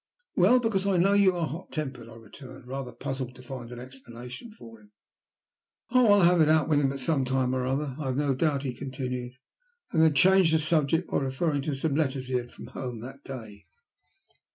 "Well, because I know you are hot tempered," I returned, rather puzzled to find an explanation for him. "Oh, I'll have it out with him at some time or another, I have no doubt," he continued, and then changed the subject by referring to some letters he had had from home that day.